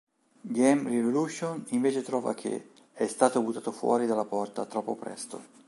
Game Revolution invece trova che "è stato buttato fuori dalla porta troppo presto".